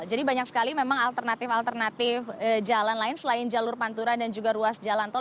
jadi banyak sekali memang alternatif alternatif jalan lain selain jalur panturan dan juga ruas jalan tol